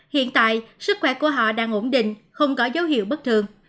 hiện tại sức khỏe của họ đang ổn định không có dấu hiệu bất thường